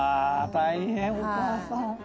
大変お母さん。